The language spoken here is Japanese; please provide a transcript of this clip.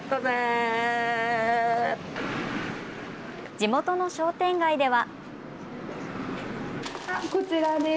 地元の商店街では。